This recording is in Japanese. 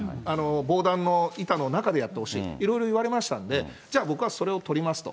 防弾の板の中でやってほしい、いろいろ言われましたんで、じゃあ僕はそれをとりますと。